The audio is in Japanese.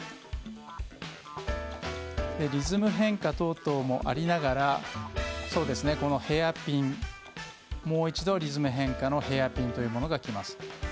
リズム変化等々もありながらヘアピン、もう一度リズム変化のヘアピンが来ます。